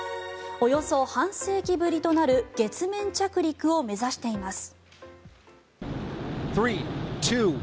およそ半世紀ぶりとなる月面着陸を目指しています。